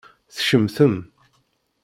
Tcemtem.